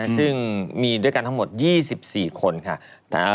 ซึ่งมีด้วยกันทั้งหมด๒๔คนค่ะ